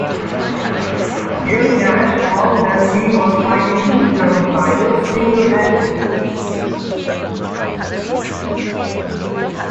Gerry Nash found that he was fighting two German pilots single-handed.